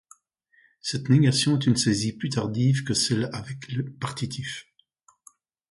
Cette négation est une saisie plus tardive que celle avec partitif.